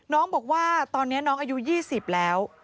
น้องบอกว่าตอนนี้น้องอายุ๒๐แล้ว